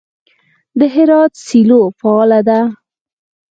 د هرات سیلو فعاله ده.